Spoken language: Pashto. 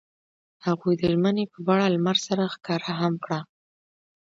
هغوی د ژمنې په بڼه لمر سره ښکاره هم کړه.